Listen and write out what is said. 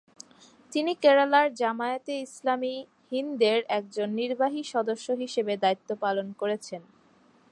তিনি কেরালার জামায়াতে ইসলামী হিন্দ এর একজন নির্বাহী সদস্য হিসেবে দায়িত্ব পালন করছেন।